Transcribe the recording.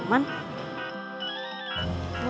aku akan pergi dulu